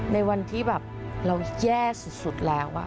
ในวันที่แบบเราแย่สุดแล้ว